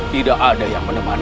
tidak ada yang menemani